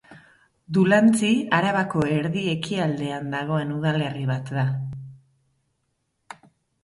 Dulantzi Arabako erdi-ekialdean dagoen udalerri bat da.